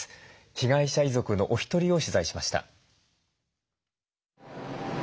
被害者遺族のお一人を取材しました。